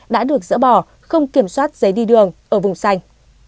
đã được dỡ bỏ không kiểm soát giấy đi đường ở vùng xanh